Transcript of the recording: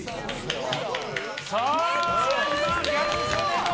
さあ。